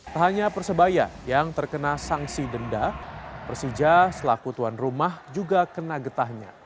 tak hanya persebaya yang terkena sanksi denda persija selaku tuan rumah juga kena getahnya